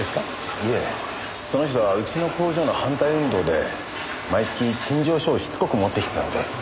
いえその人はうちの工場の反対運動で毎月陳情書をしつこく持ってきてたので。